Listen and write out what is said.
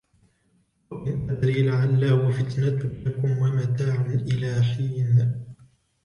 وَإِنْ أَدْرِي لَعَلَّهُ فِتْنَةٌ لَكُمْ وَمَتَاعٌ إِلَى حِينٍ